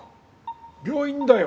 病院だよ